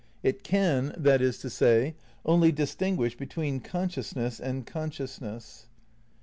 It can, that is to say, only dis tinguish between consciousness and consciousness.